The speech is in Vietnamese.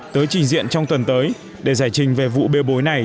tới trình diện trong tuần tới để giải trình về vụ bê bối này